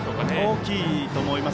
大きいと思います。